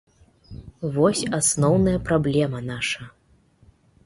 Вось асноўная праблема наша.